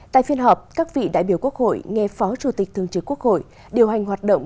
tại phiên họp các vị đại biểu quốc hội nghe phó chủ tịch thương trực quốc hội điều hành hoạt động